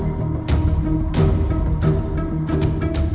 ในทางประจำรวจ